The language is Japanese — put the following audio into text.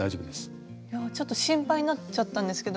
ちょっと心配になっちゃったんですけど。